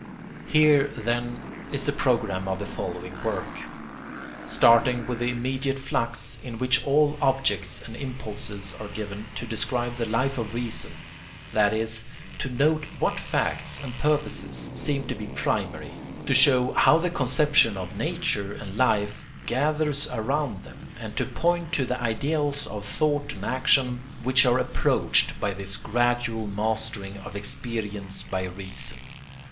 Here, then, is the programme of the following work: Starting with the immediate flux, in which all objects and impulses are given, to describe the Life of Reason; that is, to note what facts and purposes seem to be primary, to show how the conception of nature and life gathers around them, and to point to the ideals of thought and action which are approached by this gradual mastering of experience by reason.